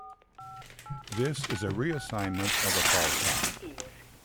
This is a reassignment of a callsign.